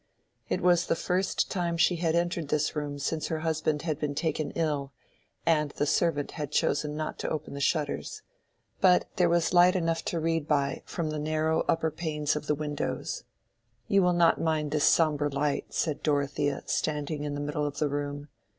It was the first time she had entered this room since her husband had been taken ill, and the servant had chosen not to open the shutters. But there was light enough to read by from the narrow upper panes of the windows. "You will not mind this sombre light," said Dorothea, standing in the middle of the room.